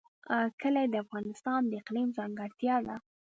کلي د افغانستان د اقلیم ځانګړتیا ده.